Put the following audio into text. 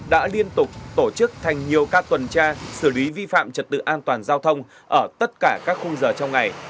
đã liên tục tổ chức thành nhiều các tuần tra xử lý vi phạm trật tự an toàn giao thông ở tất cả các khung giờ trong ngày